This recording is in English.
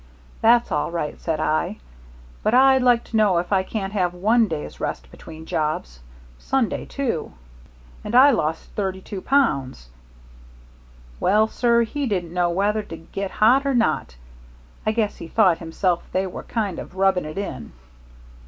'That's all right,' said I, 'but I'd like to know if I can't have one day's rest between jobs Sunday, too. And I lost thirty two pounds.' Well, sir, he didn't know whether to get hot or not. I guess he thought himself they were kind of rubbing it in.